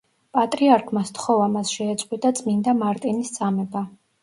პატრიარქმა სთხოვა მას, შეეწყვიტა წმინდა მარტინის წამება.